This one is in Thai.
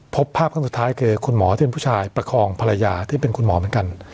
พบภาพขั้นสุดท้ายคือคุณหมอที่เป็นผู้ชายประคองภรรยาที่เป็นคุณหมอเหมือนกัน